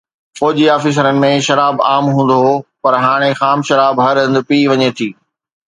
فوجي آفيسرن ۾ شراب عام هوندو هو، پر هاڻي خام شراب هر هنڌ پيئي وڃي ٿي